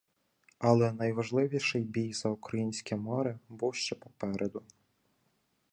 Але найважливіший бій за українське море був ще попереду.